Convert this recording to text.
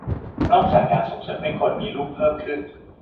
นอกจากการส่งเสริมให้คนมีลูกเพิ่มขึ้น